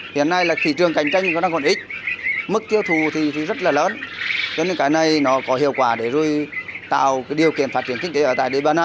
hiện nay là thị trường cạnh tranh nó đang còn ít